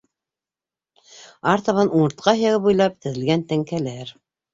Артабан - умыртҡа һөйәге буйлап теҙелгән тәңкәләр.